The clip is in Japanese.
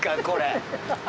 これ。